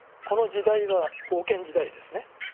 この時代は封建時代ですね。